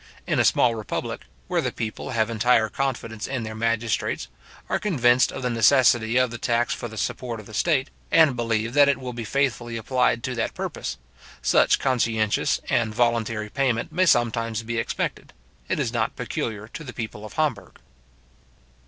In a small republic, where the people have entire confidence in their magistrates, are convinced of the necessity of the tax for the support of the state, and believe that it will be faithfully applied to that purpose, such conscientious and voluntary payment may sometimes be expected. It is not peculiar to the people of Hamburg.